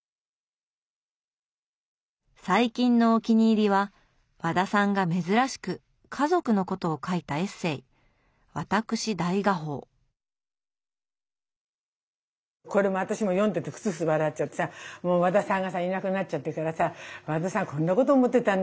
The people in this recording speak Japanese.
最近のお気に入りは和田さんが珍しく家族のことを書いたエッセーこれも私も読んでてクスクス笑っちゃってさ和田さんがさいなくなっちゃってからさ和田さんこんなこと思ってたんだ